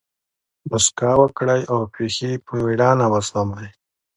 مسکا وکړئ! او پېښي په مېړانه وزغمئ!